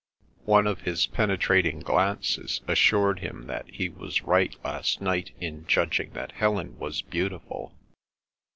One of his penetrating glances assured him that he was right last night in judging that Helen was beautiful.